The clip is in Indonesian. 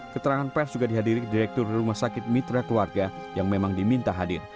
keterangan pers juga dihadiri direktur rumah sakit mitra keluarga yang memang diminta hadir